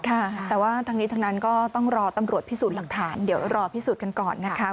แต่ว่าทั้งนี้ทั้งนั้นก็ต้องรอตำรวจพิสูจน์หลักฐานเดี๋ยวรอพิสูจน์กันก่อนนะคะ